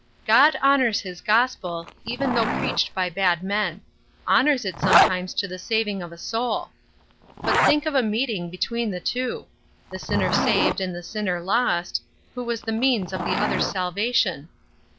"God honors his gospel, even though preached by a bad man; honors it sometimes to the saving of a soul. But think of a meeting between the two! the sinner saved and the sinner lost, who was the means of the other's salvation."